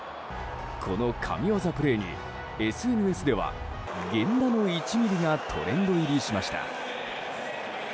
この神技プレーにＳＮＳでは源田の１ｍｍがトレンド入りしました。